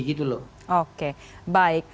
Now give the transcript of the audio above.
gitu loh oke baik